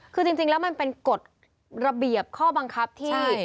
คือจริงแล้วมันเป็นกฎระเบียบข้อบังคับที่